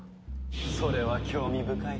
それは興味深い。